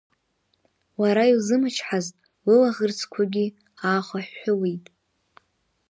Лара илзымчҳазт лылаӷырӡқәагьы аахыҳәҳәылеит.